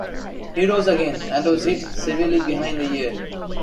He rose again and was hit severely behind the ear.